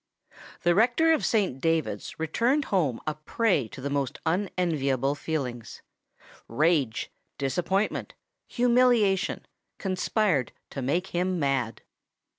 The rector of Saint David's returned home a prey to the most unenviable feelings. Rage—disappointment—humiliation conspired to make him mad.